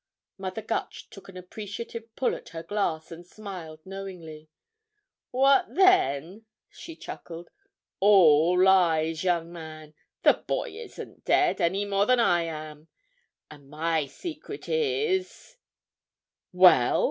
Mother Gutch took an appreciative pull at her glass and smiled knowingly. "What then?" she chuckled. "All lies, young man, the boy isn't dead—any more than I am. And my secret is—" "Well?"